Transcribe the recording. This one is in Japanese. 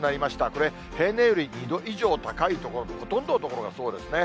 これ、平年より２度以上高い所、ほとんどの所がそうですね。